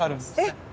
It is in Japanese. えっ！